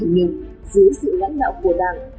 nhưng dưới sự lãnh đạo của đảng